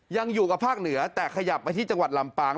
ยังอยู่กับภาคเหนือแต่ขยับไปที่จังหวัดลำปาง